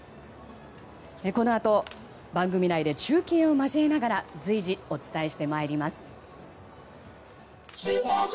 このあと番組内で中継を交えながら随時、お伝えしてまいります。